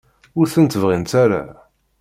Ur tent-bɣint ara?